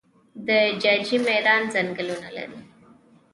د جاجي میدان ځنګلونه لري